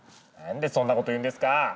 なんでそんなこと言うんですか！